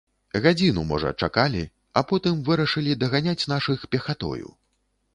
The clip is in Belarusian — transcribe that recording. Гадзіну, можа, чакалі, а потым вырашылі даганяць нашых пехатою.